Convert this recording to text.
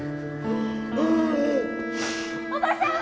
・おばさん！